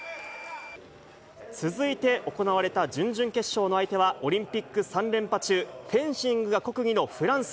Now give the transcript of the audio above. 続いて行われた準々決勝の相手は、オリンピック３連覇中、フェンシングが国技のフランス。